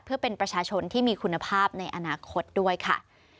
เพื่อเป็นประชาชนที่มีคุณภาพในอนาคตด้วยค่ะ